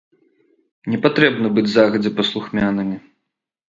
Не патрэбна быць загадзя паслухмянымі.